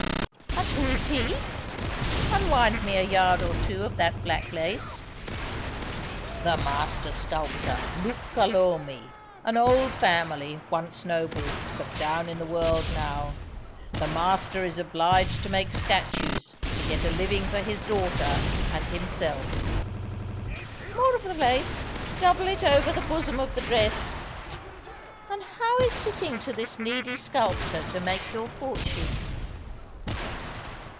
"And who is he! (Unwind me a yard or two of that black lace.)" "The master sculptor, Luca Lomi an old family, once noble, but down in the world now. The master is obliged to make statues to get a living for his daughter and himself." "More of the lace double it over the bosom of the dress. And how is sitting to this needy sculptor to make your fortune?"